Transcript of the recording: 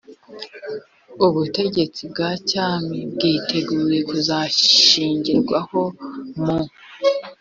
ubutegetsi bwa cyami bwiteguye kuzashingirwaho mu